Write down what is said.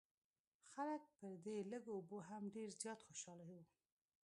خلک پر دې لږو اوبو هم ډېر زیات خوشاله وو.